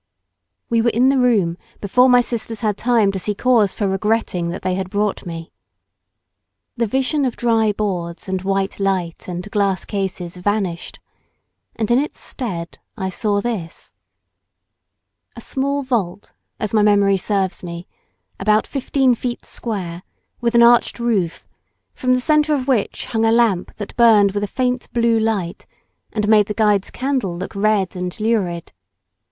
We were in the room before my sisters had time to see cause for regretting that they had brought me. The vision of dry boards and white light and glass cases vanished, and in its stead I saw this: A small vault, as my memory serves me, about fifteen feet square, with an arched roof, from the centre of which hung a lamp that burned with a faint blue light, and made the guide's candle look red and lurid.